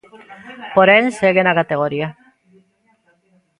Porén, segue na categoría.